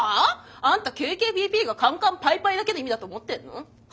あんたＫＫＰＰがカンカンパイパイだけの意味だと思ってんの？は？